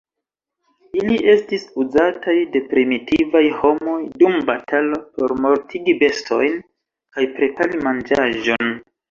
Ili estis uzataj de primitivaj homoj dum batalo, por mortigi bestojn, kaj prepari manĝaĵon.